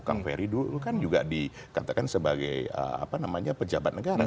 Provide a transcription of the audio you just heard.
kang ferry dulu kan juga dikatakan sebagai pejabat negara